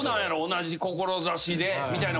同じ志でみたいなこと。